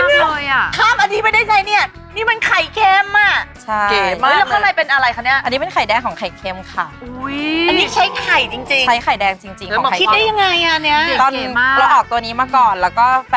อุ้ยแพ็กเกจจิ้งน่ารักมากเลยอะค่ะ